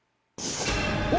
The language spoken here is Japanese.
お！